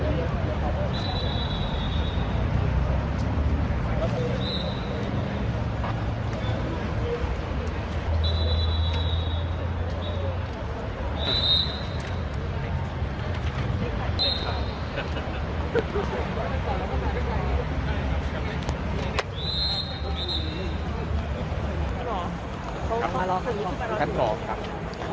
และของคนที่สุดเสี่ยงมากของคนกว่าแต่มันยังไม่มีอยู่